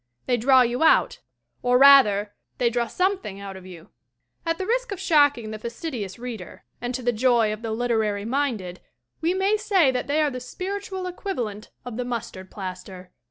They draw you out, or rather, they draw something out of you. At the risk of shocking the fastidious reader and to the joy of the literally minded we may say that they are the spiritual equiva EDITH WHARTON 5 lent of the mustard plaster.